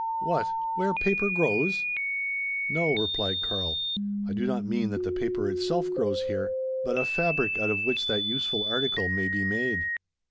"What! where paper grows?" "No," replied Karl, "I do not mean that the paper itself grows here; but a `fabric' out of which that useful article may be made."